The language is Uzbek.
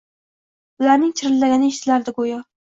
Ularning chirillagani eshitilardi guyo.